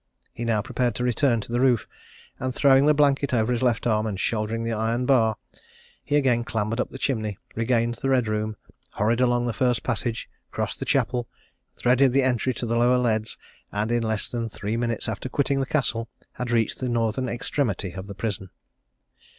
He now prepared to return to the roof, and throwing the blanket over his left arm, and shouldering the iron bar, he again clambered up the chimney, regained the Red Room, hurried along the first passage, crossed the chapel, threaded the entry to the Lower Leads, and in less than three minutes after quitting the Castle, had reached the northern extremity of the prison.